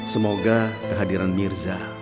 semoga kehadiran mirza